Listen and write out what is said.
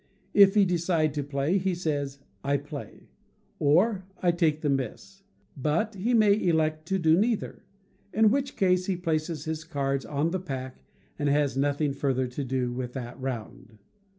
If he decide to play, he says, "I play," or "I take the miss;" but he may elect to do neither; in which case he places his cards on the pack, and has nothing further to do with that round.